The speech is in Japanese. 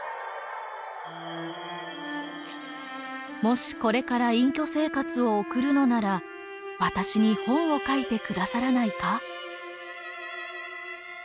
もしこれから隠居生活を送るのなら私に本を書いて下さらないか。